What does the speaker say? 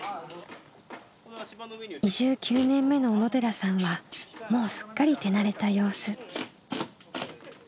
移住９年目の小野寺さんはもうすっかり手慣れた様子。